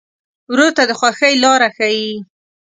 ورور ته د خوښۍ لاره ښيي.